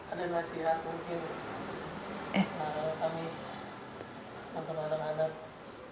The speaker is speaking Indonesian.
ada nasihat mungkin ami untuk anak anak